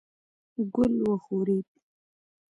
ګل وښورېد.